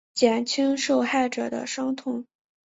减轻受害者的伤痛